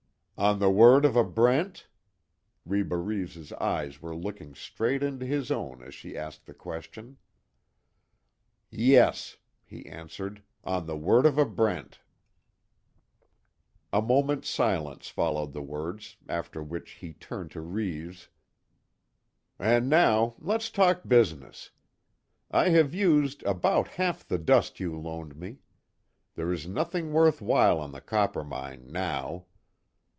"On the word of a Brent?" Reba Reeves' eyes were looking straight into his own as she asked the question. "Yes," he answered, "On the word of a Brent." A moment's silence followed the words, after which he turned to Reeves: "And, now let's talk business. I have used about half the dust you loaned me. There is nothing worth while on the Coppermine now."